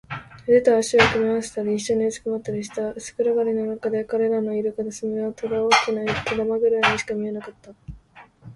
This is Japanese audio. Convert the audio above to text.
腕と脚とを組み合わせたり、いっしょにうずくまったりした。薄暗がりのなかで、彼らのいる片隅はただ大きな糸玉ぐらいにしか見えなかった。